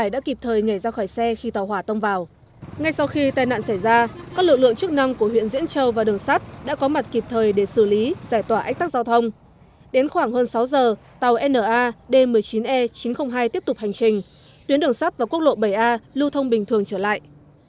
đoàn tàu chở khách số hiệu na d một mươi chín e chín trăm linh hai lưu thông bình thường trở lại